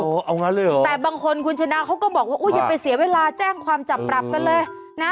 เอางั้นเลยเหรอแต่บางคนคุณชนะเขาก็บอกว่าอุ้ยอย่าไปเสียเวลาแจ้งความจับปรับกันเลยนะ